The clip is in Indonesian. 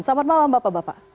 selamat malam bapak bapak